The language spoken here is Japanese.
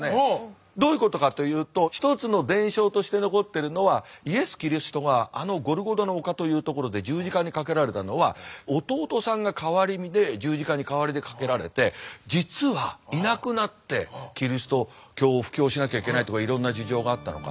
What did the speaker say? どういうことかというと一つの伝承として残ってるのはイエス・キリストがあのゴルゴタの丘という所で十字架にかけられたのは弟さんがかわり身で十字架に代わりでかけられて実はいなくなってキリスト教を布教しなきゃいけないとかいろんな事情があったのか。